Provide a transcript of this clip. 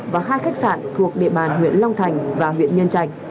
và hai khách sạn thuộc địa bàn huyện long thành và huyện nhân trạch